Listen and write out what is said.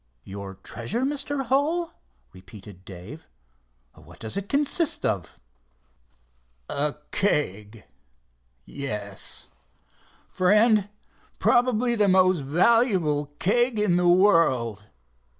"Your treasure, Mr. Hull?" repeated Dave. "What does it consist of?" "A keg—yes, friend, probably the most valuable keg in the world.